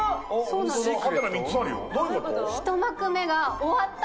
そうなんです